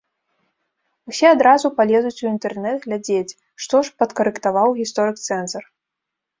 Усе адразу палезуць у інтэрнэт глядзець, што ж падкарэктаваў гісторык-цэнзар.